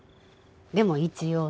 でも一応ね。